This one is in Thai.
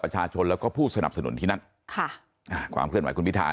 ประชาชนแล้วก็ผู้สนับสนุนที่นั่นค่ะอ่าความเคลื่อนไหวคุณพิทา